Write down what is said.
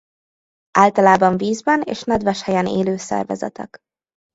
Általában vízben és nedves helyen élő szervezetek.